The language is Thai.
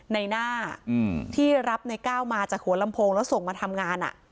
ในหน้าที่รับในก้าวมาจากหัวลำโพงแล้วส่งมาทำงาน